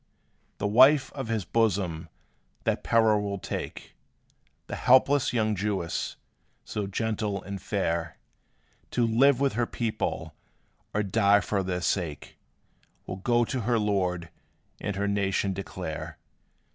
The wife of his bosom that peril will take! The helpless young Jewess, so gentle and fair, To live with her people, or die for their sake, Will go to her lord, and her nation declare.